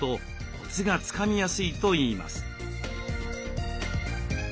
コツがつかみやすいといいます。